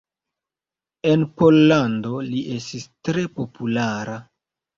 En Pollando li estis tre populara.